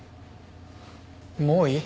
もういい？